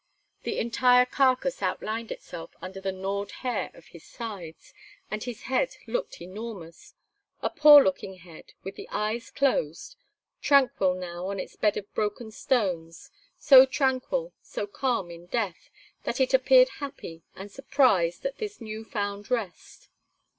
The entire carcass outlined itself under the gnawed hair of his sides, and his head looked enormous a poor looking head, with the eyes closed, tranquil now on its bed of broken stones, so tranquil, so calm in death, that it appeared happy and surprised at this new found rest.